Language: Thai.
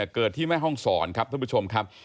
เกิดที่แม่ห้องศรครับท่านผู้ชมครับ